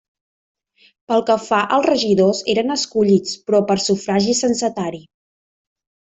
Pel que fa als regidors eren escollits però per sufragi censatari.